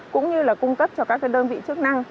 cũng như là cung cấp cho các đơn vị chức năng